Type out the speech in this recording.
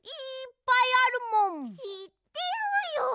しってるよ。